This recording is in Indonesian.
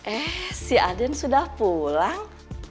eh si adin sudah pulang